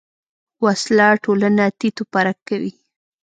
وسله ټولنه تیت و پرک کوي